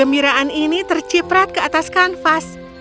gembiraan ini terciprat ke atas kanvas